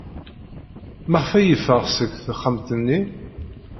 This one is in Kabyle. Maɣef ay yeffeɣ seg texxamt-nni?